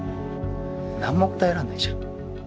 何も答えらんないじゃん！